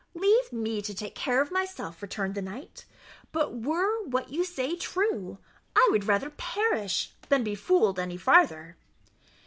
"Leave me to take care of myself," returned the knight; "but were what you say true, I would rather perish than be fooled any farther."